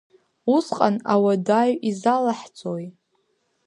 Усҟан ауадаҩ изалаҳҵои!